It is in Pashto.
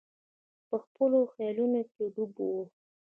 په خپلو خیالونو کې ډوب وو.